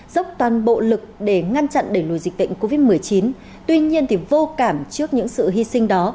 dốc toàn bộ lực để ngăn chặn đẩy lùi dịch bệnh covid một mươi chín tuy nhiên thì vô cảm trước những sự hy sinh đó